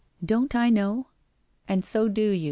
Don't I know? And so do you.